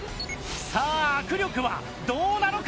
さあ握力はどうなのか？